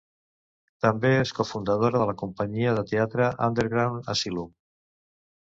També és cofundadora de la companyia de teatre Underground Asylum.